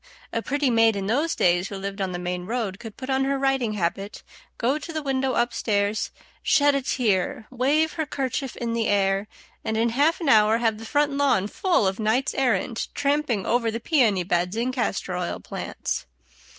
A pretty maid in those days who lived on the main road could put on her riding habit, go to the window up stairs, shed a tear, wave her kerchief in the air, and in half an hour have the front lawn full of knights errant tramping over the peony beds and castor oil plants. [Illustration: A PRETTY MAID IN THOSE DAYS.